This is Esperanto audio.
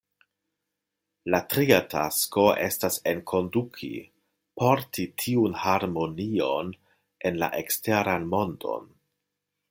La tria tasko estas enkonduki, porti tiun harmonion en la eksteran mondon.